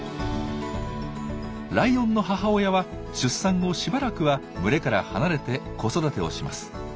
ライオンの母親は出産後しばらくは群れから離れて子育てをします。